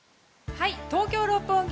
東京・六本木